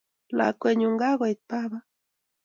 lakwenyu kagoit baba